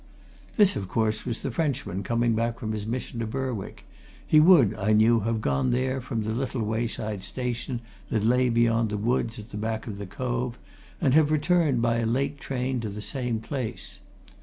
This, of course, was the Frenchman, coming back from his mission to Berwick he would, I knew, have gone there from the little wayside station that lay beyond the woods at the back of the cove and have returned by a late train to the same place.